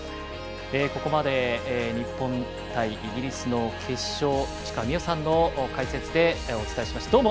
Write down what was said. ここまで日本対イギリスの決勝を市川美余さんの解説でお伝えしました。